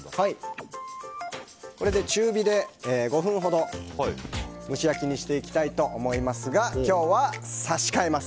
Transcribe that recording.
これで中火で５分ほど蒸し焼きにしていきたいと思いますが今日は差し替えます！